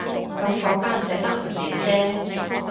噉嗰間寫得唔掂啫